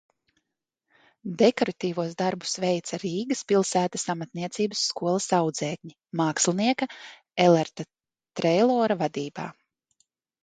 Dekoratīvos darbus veica Rīgas pilsētas amatniecības skolas audzēkņi mākslinieka Elerta Treilona vadībā.